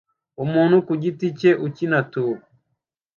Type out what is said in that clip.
Umuntu ku giti cye ukina tuba